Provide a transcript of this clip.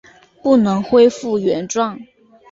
不能回复原状